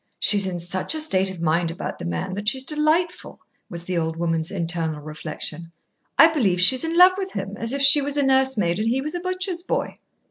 "She's in such a state of mind about the man that she's delightful," was the old woman's internal reflection; "I believe she's in love with him, as if she was a nurse maid and he was a butcher's boy."